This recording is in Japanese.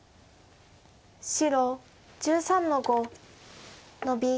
白１３の五ノビ。